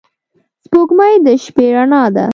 • سپوږمۍ د شپې رڼا ده.